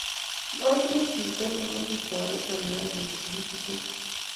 Matinye chito ne mukutoriton ayai boisionik chu tugul